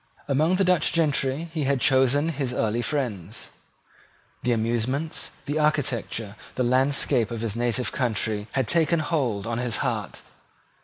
Among the Dutch gentry he had chosen his early friends. The amusements, the architecture, the landscape of his native country, had taken hold on his heart.